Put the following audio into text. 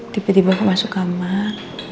tiba tiba masuk kamar